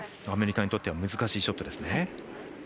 アメリカにとっては難しいショットですね。